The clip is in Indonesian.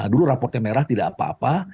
dulu raportnya merah tidak apa apa